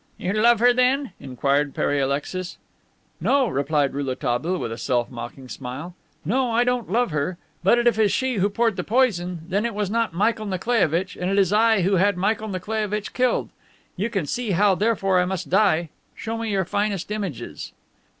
"You love her, then?" inquired Pere Alexis. "No," replied Rouletabille, with a self mocking smile. "No, I don't love her. But if it is she who poured the poison, then it was not Michael Nikolaievitch, and it is I who had Michael Nikolaievitch killed. You can see now that therefore I must die. Show me your finest images.